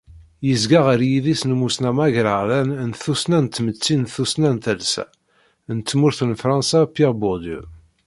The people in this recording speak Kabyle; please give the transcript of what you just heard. Yezga ɣer yidis n umussnaw agraɣlan n tussna n tmetti d tussna n talsa, n tmurt n Fransa Pierre Bourdieu.